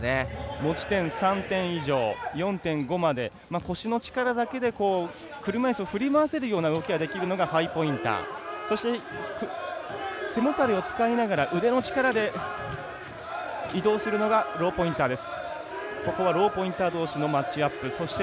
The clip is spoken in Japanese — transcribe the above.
持ち点３点以上４．５まで腰の力だけで車いすを振り回せるような動きができるのがハイポインターそして背もたれを使いながら腕の力で移動するのがローポインターです。